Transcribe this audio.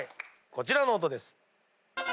こちらの音です。